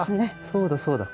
そうだそうだ。